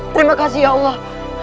terima kasih ya allah